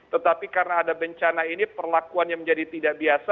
tetapi karena ada bencana ini perlakuannya menjadi tidak biasa